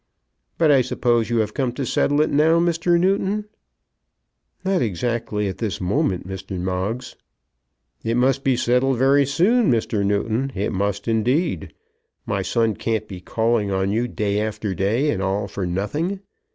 "But I suppose you have come to settle it now, Mr. Newton?" "Not exactly at this moment, Mr. Moggs." "It must be settled very soon, Mr. Newton; it must indeed. My son can't be calling on you day after day, and all for nothing.